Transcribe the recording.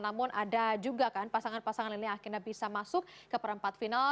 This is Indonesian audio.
namun ada juga kan pasangan pasangan ini akhirnya bisa masuk ke perempat final